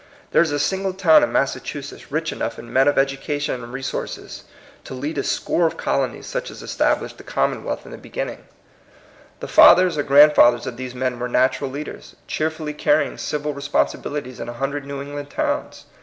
There is a single town in Massachusetts rich enough in men of ed ucation and resources to lead a score of colonies such as established the Common 114 THE COMING PEOPLE. wealth in the beginning. The fathers or grandfathers of these men were natural leaders, cheerfully carrying civil responsi bilities in a hundred New England towns.